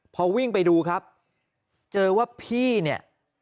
พอวิ่งไปดูครับเจอว่าพี่เนี่ย